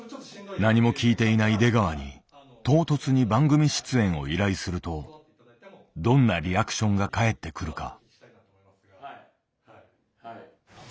何も聞いていない出川に唐突に番組出演を依頼するとどんなリアクションが返ってくるか。